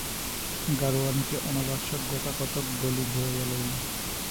গাড়োয়ানকে অনাবশ্যক গোটাকতক গলি ঘুরাইয়া লইল।